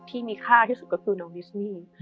ที่มีค่าที่สุดก็คือน้องดิสนี่